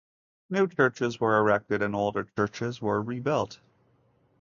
New churches were erected and older churches were rebuilt.